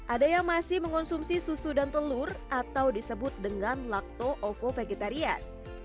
ada yang masih mengonsumsi susu dan telur atau disebut dengan lakto ovo vegetarian